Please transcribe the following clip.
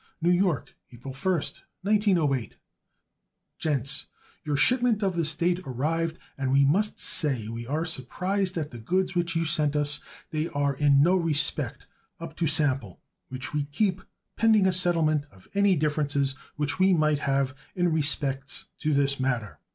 NEW YORK, April 1st, 1908 GENTS: Your shipment of this date arrived and we must say we are surprised at the goods which you sent us. They are in no respect up to sample which we keep pending a settlement of any differences which we might have in respects to this matter.